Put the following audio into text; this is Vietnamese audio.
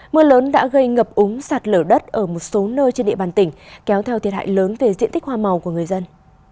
mưa lớn đã gây ngập úng sạt lở đất ở một số nơi trên địa bàn tỉnh kéo theo thiệt hại lớn về diện tích hoa màu của người dân